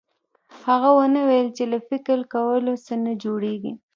هغه ونه ويل چې له فکر کولو څه نه جوړېږي.